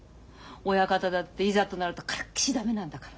親方だっていざとなるとからっきし駄目なんだから。